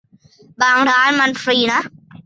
บางร้านมันฟรีนะ